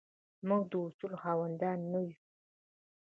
موږ د اصولو خاوندان نه یو.